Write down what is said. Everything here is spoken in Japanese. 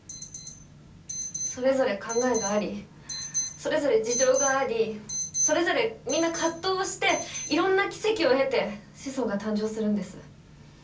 それぞれ考えがありそれぞれ事情がありそれぞれみんな葛藤をしていろんな奇跡を経て子孫が誕生するんです。